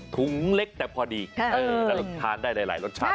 ถุงเล็กแต่พอดีเราทานได้หลายรสชาติ